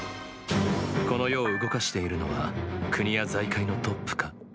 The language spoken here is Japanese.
この世を動かしているのは国や財界のトップか？